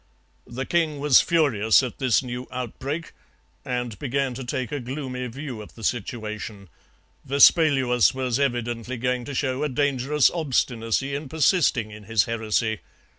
The king was furious at this new outbreak, and began to take a gloomy view of the situation; Vespaluus was evidently going to show a dangerous obstinacy in persisting in his heresy.